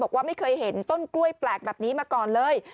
บอกว่าไม่เคยเห็นต้นกล้วยแปลกแบบนี้มาก่อนเลย